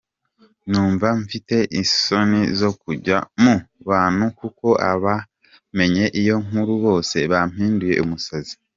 Numva mfite isoni zo kujya mu bantu kuko abamenye iyo nkuru bose bampinduye umusazi”.